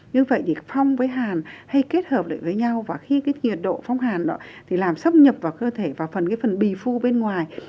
như vậy thì phong với hàn hay kết hợp lại với nhau và khi cái nhiệt độ phong hàn đó thì làm xâm nhập vào cơ thể và phần cái phần bì phu bên ngoài